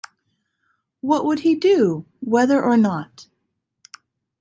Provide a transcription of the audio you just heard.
What would he do, whether or not?